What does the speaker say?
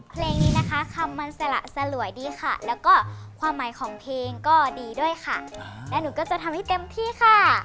เพลงนี้นะคะคำมันสละสลวยดีค่ะแล้วก็ความหมายของเพลงก็ดีด้วยค่ะและหนูก็จะทำให้เต็มที่ค่ะ